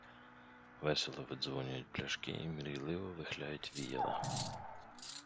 Весело видзвонюють пляшки і мрійливо вихляють віяла.